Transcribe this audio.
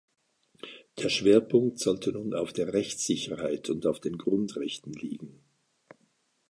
Der Schwerpunkt sollte nun auf der Rechtssicherheit und auf den Grundrechten liegen.